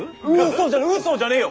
嘘じゃねえ嘘じゃねえよ！